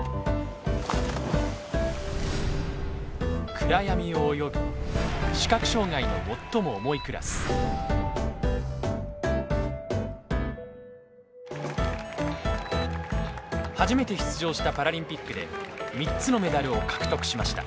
暗闇を泳ぐ視覚障害の最も重いクラス初めて出場したパラリンピックで３つのメダルを獲得しました